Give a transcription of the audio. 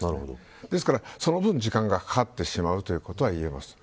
ですから、その分時間がかかってしまうということはいえます。